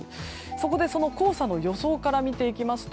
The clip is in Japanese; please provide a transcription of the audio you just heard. そこで黄砂の予想から見ていきますと